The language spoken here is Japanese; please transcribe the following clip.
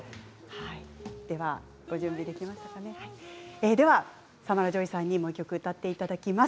それではサマラ・ジョイさんにもう１曲歌っていただきます。